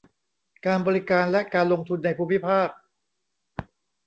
การบริการและการลงทุนในภูมิภาค